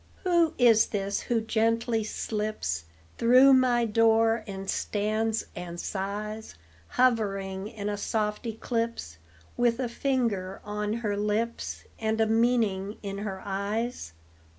Who is this who gently slips Through my door, and stands and sighs, Hovering in a soft eclipse, With a finger on her lips And a meaning in her eyes?